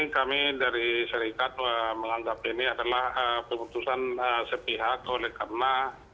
kami dari serikat menganggap ini adalah keputusan sepihak oleh karena